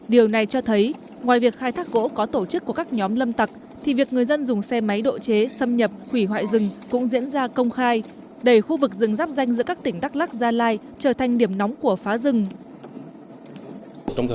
điều này cho thấy ngoài việc khai thác gỗ có tổ chức của các nhóm lâm tặc thì việc người dân dùng xe máy độ chế xâm nhập hủy hoại rừng cũng diễn ra công khai đẩy khu vực rừng rắp danh giữa các tỉnh đắk lắc gia lai trở thành điểm nóng của phá rừng